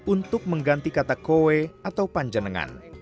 untuk mengganti kata kowe atau panjenengan